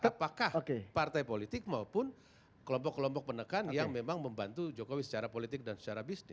apakah partai politik maupun kelompok kelompok penekan yang memang membantu jokowi secara politik dan secara bisnis